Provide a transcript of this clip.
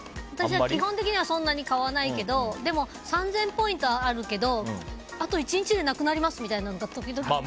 私は基本的にそんなに買わないけどでも３０００ポイントあるけどあと１日でなくなりますみたいなのが時々来ると、え？